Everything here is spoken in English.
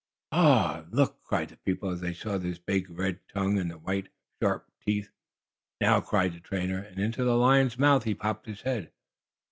"Oh! Ah! Look!" cried the people, as they saw his big, red tongue and the white, sharp teeth. "Now!" cried the trainer, and into the lion's mouth he popped his head.